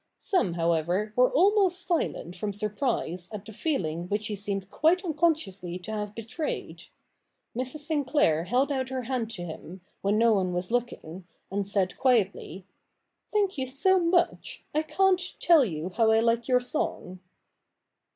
Some, however, were almost silent from surprise at the feeling which he seemed quite unconsciously to have betrayed. Mrs. Sinclair held out her hand to him, when no one was looking, and said quietly, ' Thank you so much, I can't tell you how I like your song.'